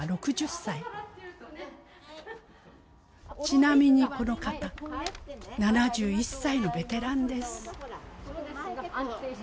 ちなみにこの方７１歳のベテランです。